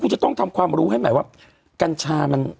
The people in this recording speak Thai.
ฮ่าแล้วล่ะ